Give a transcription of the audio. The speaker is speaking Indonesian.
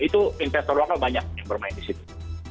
itu investor lokal banyak yang bermain di situ